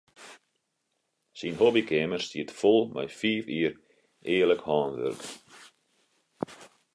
Syn hobbykeamer stiet fol mei fiif jier earlik hânwurk.